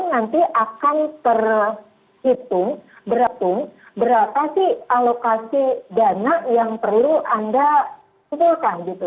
nanti akan terhitung berapa sih alokasi dana yang perlu anda kumpulkan gitu